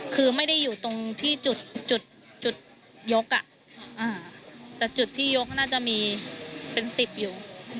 คือไม่ได้อยู่ตรงที่จุดยกแต่จุดที่ยกน่าจะมีเป็น๑๐อยู่